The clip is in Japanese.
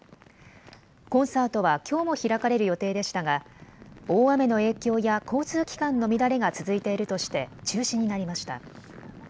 コンサートはきょうも開かれる予定でしたが大雨の影響や交通機関の乱れが続いているとして中止になりました。